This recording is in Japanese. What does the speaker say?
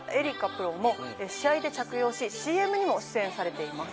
プロも試合で着用しＣＭにも出演されています。